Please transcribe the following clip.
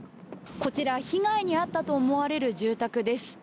こちら被害に遭ったと思われる住宅です。